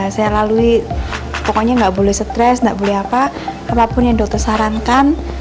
saya lalui pokoknya nggak boleh stres nggak boleh apa apapun yang dokter sarankan